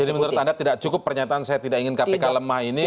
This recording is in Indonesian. menurut anda tidak cukup pernyataan saya tidak ingin kpk lemah ini